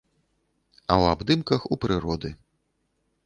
А ў абдымках у прыроды.